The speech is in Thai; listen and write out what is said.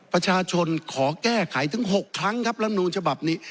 ประชาชนขอแก้ไขถึง๖ครั้งครับลำนูลฉบับนี้